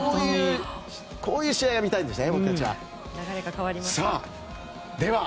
こういう試合が見たいんですよね、僕たちは。